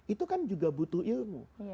itu kan juga butuh ilmu